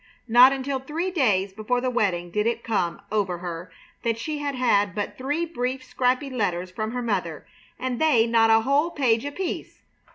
Not until three days before the wedding did it come over her that she had had but three brief, scrappy letters from her mother, and they not a whole page apiece.